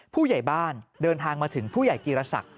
ผู้ใหญ่บ้านเดินทางมาถึงผู้ใหญ่จีรศักดิ